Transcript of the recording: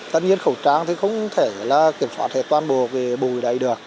tất nhiên khẩu trang thì không thể là kiểm soát hết toàn bộ về bùi đầy được